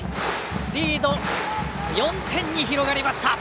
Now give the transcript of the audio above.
リード、４点に広がりました。